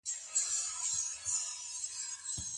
د کانکور ازموینه څه رواني اغیزې لري؟